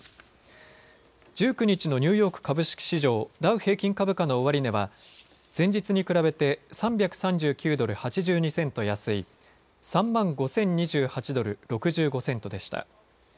１９日のニューヨーク株式市場、ダウ平均株価の終値は前日に比べて３３９ドル８２セント安い３万５０２８ドル６５セントでした。